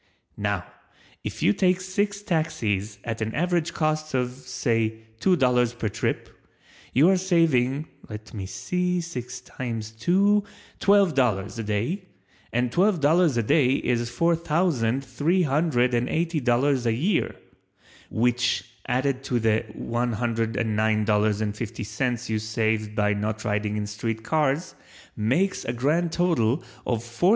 Now if you take six Taxis at an average cost of, say two dollars per trip, you are saving (let me see, six times two) twelve dollars a day and twelve dollars a day is four thousand three hundred and eighty dollars a year, which added to the $109.50 you have saved by not riding in street cars makes a grand total of $4489.